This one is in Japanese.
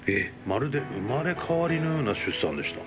「まるで生まれ変わりのような出産でした」。